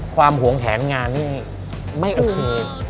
ความหวงแหนงานนี่ไม่อันเคล